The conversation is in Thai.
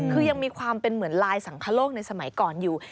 คือยังมีความเป็นเหมือนลายสังคโลกในสมัยก่อนอยู่